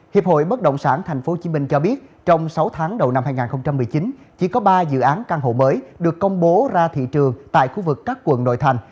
hiệp hội bất động sản tp hcm cho biết trong sáu tháng đầu năm hai nghìn một mươi chín chỉ có ba dự án căn hộ mới được công bố ra thị trường tại khu vực các quận nội thành